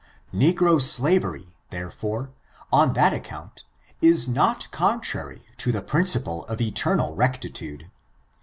Negro slavery, therefore, on that account, is not contrary to the principle of Eternal rectitude.